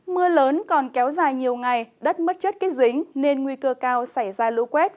mưa lớn còn kéo dài nhiều ngày đất mất chất kết dính nên nguy cơ cao xảy ra lũ quét